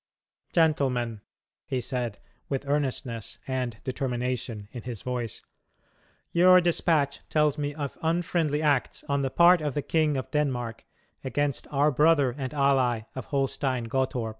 "Gentlemen," he said, with earnestness and determination in his voice, "your despatch tells me of unfriendly acts on the part of the King of Denmark against our brother and ally of Holstein Gottorp.